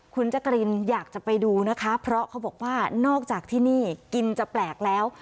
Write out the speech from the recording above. คุณจักรินอยากจะไปดูนะคะเพราะเขาบอกว่านอกจากที่นี่กินจะแปลกแล้ว